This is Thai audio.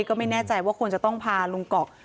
ก็ไม่แน่ใจว่าควรจะต้องพาลุงกอก